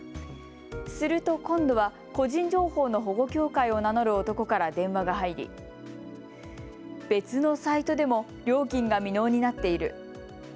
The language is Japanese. すると今度は個人情報の保護協会を名乗る男から電話が入り別のサイトでも料金が未納になっている。